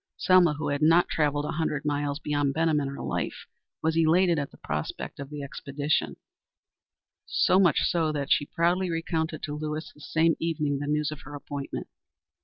Selma, who had not travelled a hundred miles beyond Benham in her life, was elated at the prospect of the expedition; so much so that she proudly recounted to Lewis the same evening the news of her appointment.